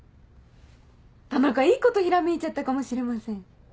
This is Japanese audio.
田中いいことひらめいちゃったかもしれません。